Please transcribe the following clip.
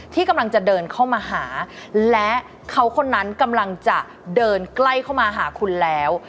ที่กำลังจะเดินเข้ามาหาและเขาคนนั้นกำลังจะเดินใกล้เข้ามาหาคุณแล้ว